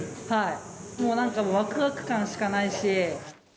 もうなんか、わくわく感しかないし。